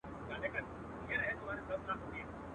اوس یې تر پاڼو بلبلکي په ټولۍ نه راځي.